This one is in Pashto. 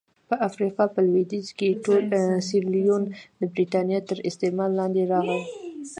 په افریقا په لوېدیځ کې ټول سیریلیون د برېټانیا تر استعمار لاندې راغی.